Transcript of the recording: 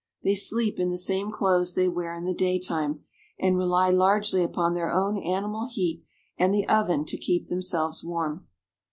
They sleep in the same clothes they wear in the daytime, and rely largely upon their own animal heat and the oven to keep themselves warm.